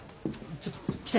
ちょっと来て。